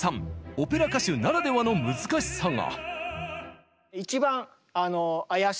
オペラ歌手ならではの難しさが！